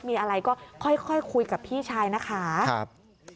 มีอะไรก็ค่อยค่อยคุยกับพี่ชายนะคะครับ